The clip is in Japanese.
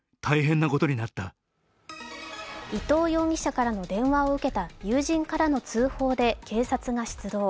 伊藤容疑者からの電話を受けた友人からの通報で警察が出動。